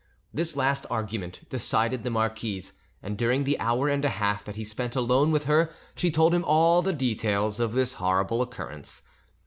This last argument decided the marquise, and during the hour and a half that he spent alone with her she told him all the details of this horrible occurrence.